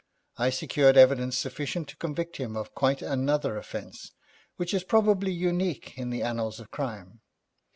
I secured evidence sufficient to convict him of quite another offence, which is probably unique in the annals of crime.